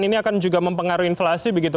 ini akan juga mempengaruhi inflasi begitu